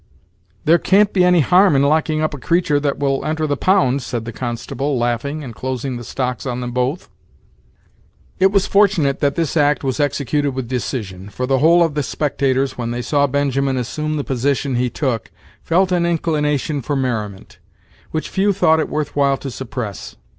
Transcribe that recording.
"There can't be any harm in locking up a creatur' that will enter the pound," said the constable, laughing, and closing the stocks on them both. It was fortunate that this act was executed with decision, for the whole of the spectators, when they saw Benjamin assume the position he took, felt an inclination for merriment, which few thought it worth while to suppress.